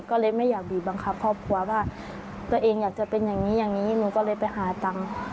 ก็เลยไม่อยากบีบบังคับครอบครัวว่าตัวเองอยากจะเป็นอย่างนี้อย่างนี้หนูก็เลยไปหาตังค์